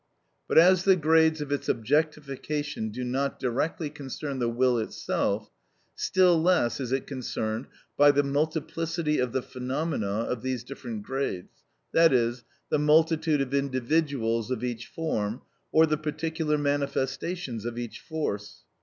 But as the grades of its objectification do not directly concern the will itself, still less is it concerned by the multiplicity of the phenomena of these different grades, i.e., the multitude of individuals of each form, or the particular manifestations of each force.